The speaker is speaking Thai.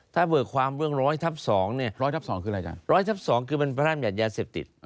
ถ้าเบิกความเรื่องร้อยทับสองเนี่ยร้อยทับสองคืออะไรจ้ะร้อยทับสองคือมันพร่ามยัดยาเสพติด